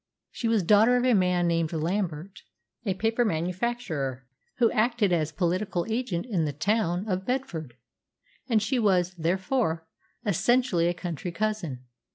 She was daughter of a man named Lambert, a paper manufacturer, who acted as political agent in the town of Bedford; and she was, therefore, essentially a country cousin.